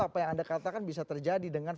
apa yang anda katakan bisa terjadi dengan